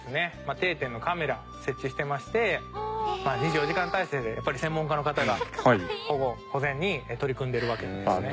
定点のカメラ設置してまして２４時間体制でやっぱり専門家の方が保護保全に取り組んでるわけなんですね。